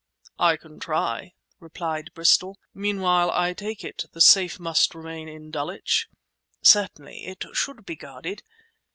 "I can try," replied Bristol. "Meanwhile, I take it, the safe must remain at Dulwich?" "Certainly. It should be guarded."